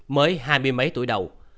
mới hai mươi mấy tuổi đầu